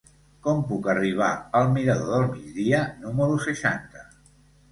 Com puc arribar al mirador del Migdia número seixanta?